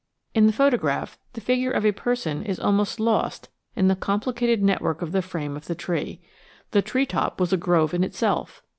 In the photograph, the figure of a person is almost lost in the complicated network of the frame of the tree. The treetop was a grove in itself.